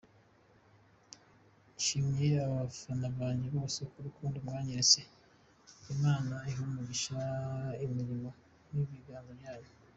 Nshimiye abafana banjye bose ku rukundo mwanyeretse, Imana ihe umugisha imirimo y’ibiganza byanyu.